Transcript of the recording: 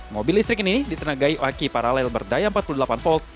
mobil listrik ini ditenagai aki paralel berdaya empat puluh delapan volt